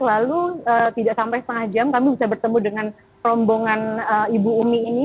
lalu tidak sampai setengah jam kami bisa bertemu dengan rombongan ibu umi ini